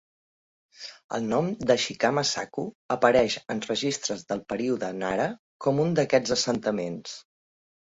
El nom de "Shikama-saku" apareix en registres del període Nara com un d'aquests assentaments.